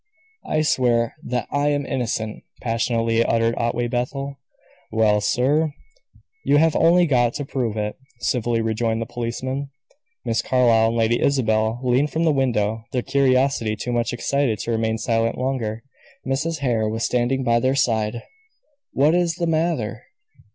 "I swear that I am innocent," passionately uttered Otway Bethel. "Well, sir, you have only got to prove it," civilly rejoined the policeman. Miss Carlyle and Lady Isabel leaned from the window, their curiosity too much excited to remain silent longer. Mrs. Hare was standing by their side. "What is the matter?"